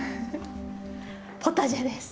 ポタジェです。